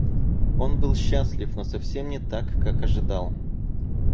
Он был счастлив, но совсем не так, как ожидал.